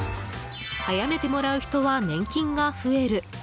早めてもらう人は年金が増える。